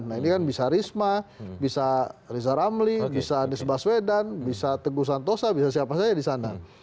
nah ini kan bisa risma bisa riza ramli bisa anies baswedan bisa teguh santosa bisa siapa saja di sana